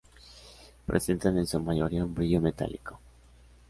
Presentan en su mayoría un brillo metálico.